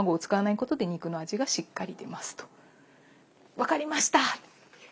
分かりました！